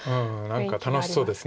何か楽しそうです。